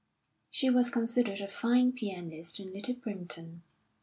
She was considered a fine pianist in Little Primpton.